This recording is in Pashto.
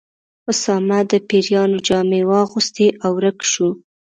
اسامه د پیریانو جامې واغوستې او ورک شو.